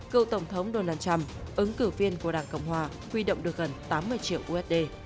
cựu tổng thống donald trump ứng cử viên của đảng cộng hòa huy động được gần tám mươi triệu usd